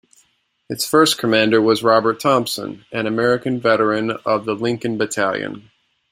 Its first commander was Robert Thompson, an American veteran of the Lincoln Battalion.